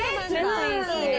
いいね。